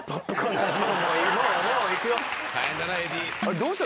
どうした？